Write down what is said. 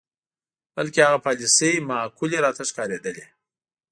بلکې هغه پالیسۍ معقولې راته ښکارېدلې.